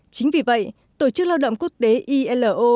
chính vì vậy tổ chức lao động quốc tế ilo